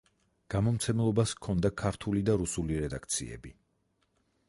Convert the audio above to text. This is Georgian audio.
გამომცემლობას ჰქონდა ქართული და რუსული რედაქციები.